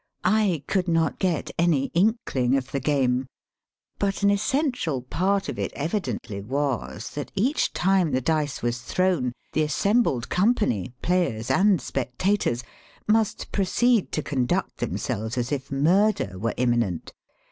I could not get any inkHng of the game, but an essential part of it evidently was that each time the dice was thrown the assembled company, players and spectators, must proceed to con duct themselves as if murder were imminent.